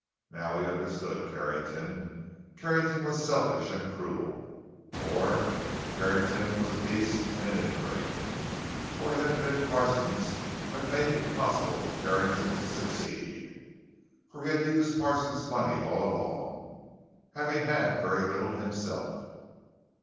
Now he understood Carrington. Carrington was selfish and cruel—more, Carrington was a beast and an ingrate. For it had been Parsons who had made it possible for Carrington to succeed—for he had used Parsons' money all along—having had very little himself.